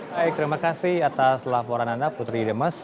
baik terima kasih atas laporan anda putri demes